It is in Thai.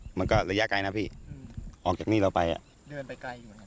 ค่ะมันก็ระยะไกลนะพี่อืมออกจากนี่เราไปอ่ะเลื่อนไปใกล้อยู่